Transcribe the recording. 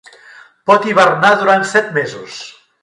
Pot hibernar durant set mesos.